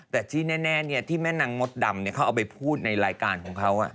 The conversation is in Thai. แต่ที่แน่ที่แม่นางมดดำเขาเอาไปพูดในรายการของเขา